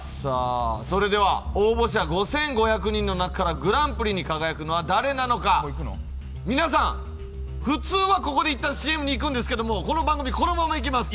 それでは応募者５５００人の中からグランプリに輝くのは誰なのか皆さん、普通はここでいったんＣＭにいくんですけど、この番組、このままいきます。